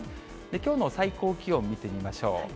きょうの最高気温見てみましょう。